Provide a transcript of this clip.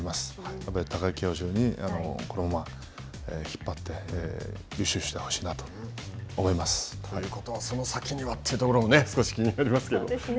やっぱり貴景勝に、このまま引っ張って、優勝してほしいなと思いということは、その先にはというところも少し気になりますけど。